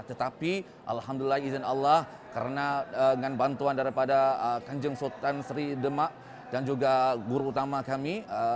tetapi alhamdulillah izin allah karena dengan bantuan daripada kanjeng sultan sri demak dan juga guru utama kami